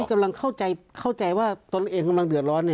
กำลังเข้าใจว่าตนเองกำลังเดือดร้อน